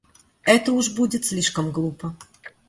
Это уж будет слишком глупо.